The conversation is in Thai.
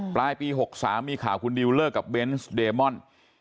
ปลายปี๖๓มีข่าวคุณดิวเลิกกับเบนส์เดมอน